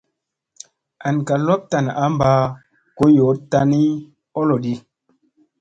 An kaa lop tan a mba go yoo tani oloɗi.